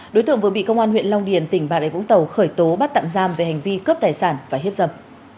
đối tượng vừa bị công an huyện long điền tỉnh bà rịa vũng tàu khởi tố bắt tạm giam về hành vi cướp tài sản và hiếp dâm